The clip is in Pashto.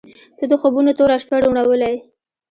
• ته د خوبونو توره شپه روڼولې.